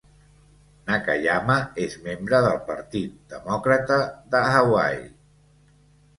Nakayama és membre del Partir Demòcrata de Hawaii.